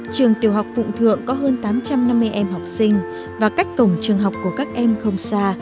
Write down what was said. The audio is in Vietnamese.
trường tiểu học phụng thượng có hơn tám trăm năm mươi em học sinh và cách cổng trường học của các em không xa